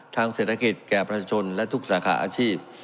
ทางเศรษฐกิจแก่ประชาชนและทุกสาขาอาชีพ